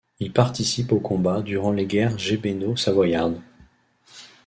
Il participe aux combats durant les guerres gebenno-savoyardes.